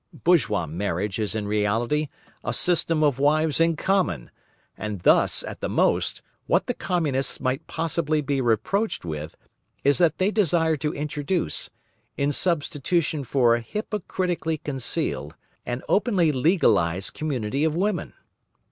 Bourgeois marriage is in reality a system of wives in common and thus, at the most, what the Communists might possibly be reproached with, is that they desire to introduce, in substitution for a hypocritically concealed, an openly legalised community of women.